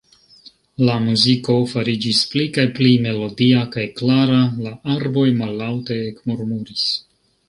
La muziko fariĝis pli kaj pli melodia kaj klara; la arboj mallaŭte ekmurmuris.